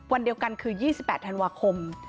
วันเดียวกันคือ๒๘ธันวาคม